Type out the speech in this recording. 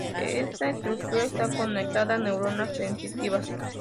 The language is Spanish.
Esta estructura está conectada a neuronas sensitivas.